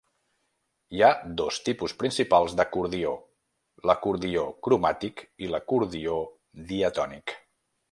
Hi ha dos tipus principals d'acordió: l’acordió cromàtic i l’acordió diatònic.